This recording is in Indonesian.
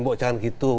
oh jangan gitu